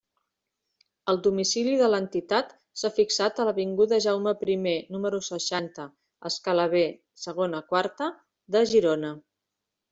El domicili de l'Entitat s'ha fixat a l'avinguda Jaume primer número seixanta escala B segona quarta, de Girona.